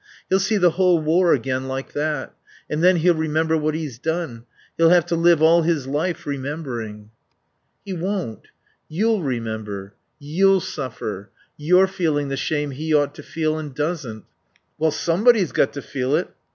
He'll see the whole war again like that; and then he'll remember what he's done. He'll have to live all his life remembering...." "He won't. You'll remember You'll suffer. You're feeling the shame he ought to feel and doesn't." "Well, somebody's got to feel it....